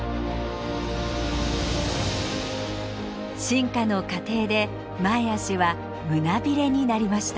進化の過程で前足は胸びれになりました。